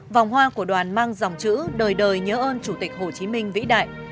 vòng hoa của đoàn mang dòng chữ đời đời nhớ ơn chủ tịch hồ chí minh vĩ đại